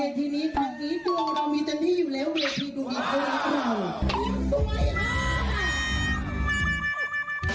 เข้ทีนี้ตัวเรามีตัวนี้อยู่แล้วเหลือที่ดวงอีกตัวอีกค่ะ